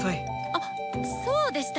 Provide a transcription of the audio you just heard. あそうでした。